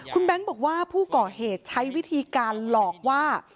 คุณแบงค์บอกว่าผู้ก่อเหตุใช้วิธีการหลอกว่า